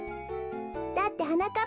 だってはなかっ